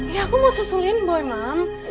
ya aku mau susulin boy mam